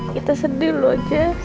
kita sedih loh jess